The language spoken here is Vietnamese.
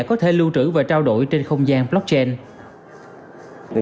có thể lưu trữ và trao đổi trên không gian blockchain